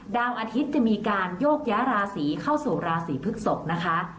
ดาวอาทิตย์จะมีการโยกย้ายราศีเข้าสู่ราศีพฤกษกนะคะ